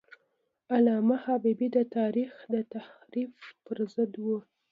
علامه حبیبي د تاریخ د تحریف پر ضد و.